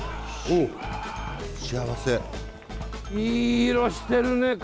いい色してるね。